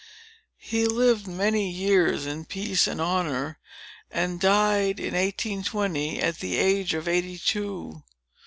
He lived many years, in peace and honor, and died in 1820, at the age of eighty two.